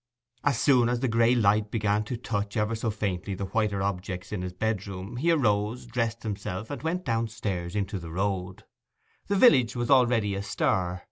As soon as the grey light began to touch ever so faintly the whiter objects in his bedroom he arose, dressed himself, and went downstairs into the road. The village was already astir.